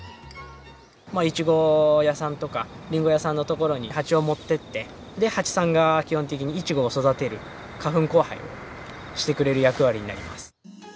イチゴ屋さんとか、リンゴ屋さんの所にハチを持っていって、ハチさんが基本的にイチゴを育てる、花粉交配をしてくれる役割になります。